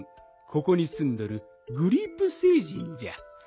ここにすんどるグリープ星人じゃ。